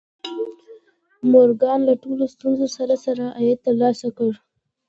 مورګان له ټولو ستونزو سره سره عاید ترلاسه کړ